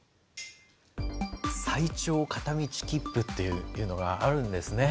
最長片道切符っていうのがあるんですね。